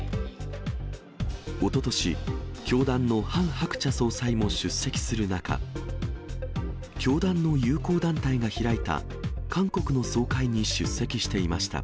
おととし、教団のハン・ハクチャ総裁も出席する中、教団の友好団体が開いた韓国の総会に出席していました。